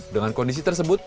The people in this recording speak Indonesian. dengan kondisi tersebut